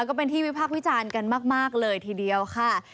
ก็เป็นที่วิพากษ์วิจารณ์กันมากเลยทีเดียวค่ะ